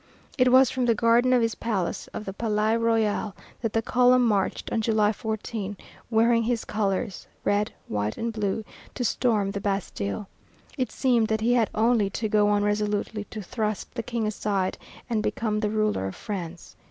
It was from the garden of his palace of the Palais Royal that the column marched on July 14, wearing his colors, the red, white and blue, to storm the Bastille. It seemed that he had only to go on resolutely to thrust the King aside and become the ruler of France.